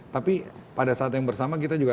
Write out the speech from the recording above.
tapi pada saat yang bersama kita juga